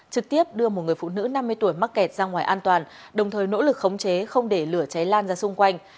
trực tiếp đưa một người phụ nữ năm mươi tuổi mắc kẹt ra ngoài an toàn đồng thời nỗ lực khống chế không để lửa cháy lan ra xung quanh